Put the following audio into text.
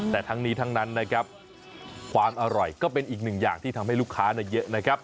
แต่ทั้งนี้ทั้งนั้นนะครับความอร่อยก็เป็นอีกหนึ่งอย่างที่ทำให้ลูกค้าเยอะนะครับ